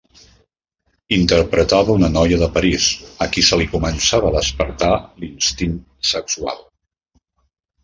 Interpretava una noia de París a qui se li començava a despertar l'instint sexual.